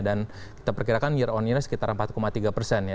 dan kita perkirakan year on yearnya sekitar empat tiga persen ya